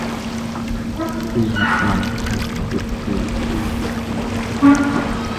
Khi ngặt lắm thì tam thập lục kế chi cũng phải đem ra hết